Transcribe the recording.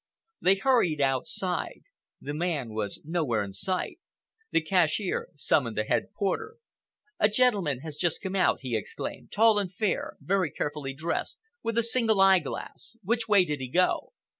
They hurried outside. The man was nowhere in sight. The cashier summoned the head porter. "A gentleman has just come out," he exclaimed,—"tall and fair, very carefully dressed, with a single eyeglass! Which way did he go?"